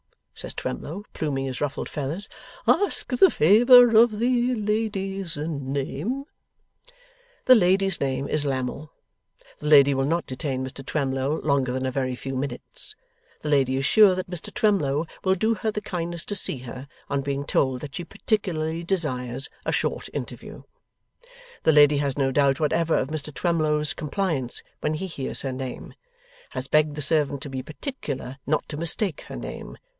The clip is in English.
says Twemlow, pluming his ruffled feathers. 'Ask the favour of the lady's name.' The lady's name is Lammle. The lady will not detain Mr Twemlow longer than a very few minutes. The lady is sure that Mr Twemlow will do her the kindness to see her, on being told that she particularly desires a short interview. The lady has no doubt whatever of Mr Twemlow's compliance when he hears her name. Has begged the servant to be particular not to mistake her name.